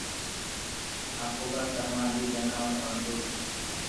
آپو ڪرمآنٚ دي جنآور بڻدوئي